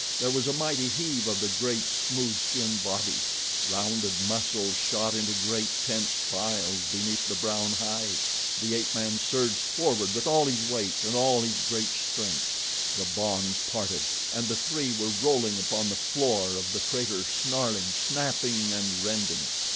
There was a mighty heave of the great, smooth skinned body. Rounded muscles shot into great, tensed piles beneath the brown hide the ape man surged forward with all his weight and all his great strength the bonds parted, and the three were rolling upon the floor of the crater snarling, snapping, and rending.